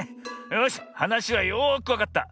よしはなしはよくわかった。